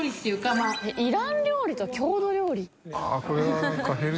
村重）イラン料理と郷土料理？